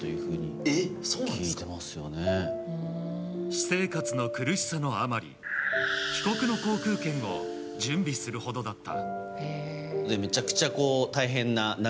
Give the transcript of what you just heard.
私生活の苦しさのあまり帰国の航空券を準備するほどだった。